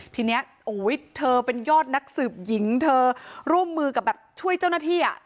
ทีนี้เธอเป็นยอดนักสืบหญิงเธอร่วมมือกับแบบช่วยเจ้าหน้าที่อ่ะ